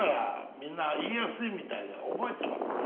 みんな言いやすいみたいで覚えてますね。